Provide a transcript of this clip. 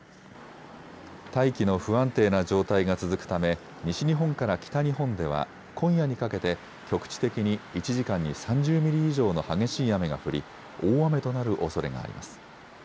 大気の不安定な状態が続くため西日本から北日本では今夜にかけて局地的に１時間に３０ミリ以上の激しい雨が降り大雨となるおそれがあります。